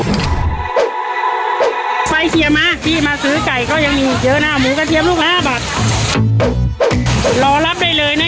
ไฟเชียร์มาพี่มาซื้อไก่ก็ยังมีอีกเยอะนะหมูกระเทียมลูกละห้าบาทรอรับได้เลยนะ